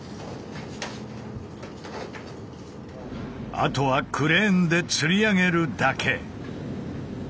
あとはクレーンで吊り上げるだけ。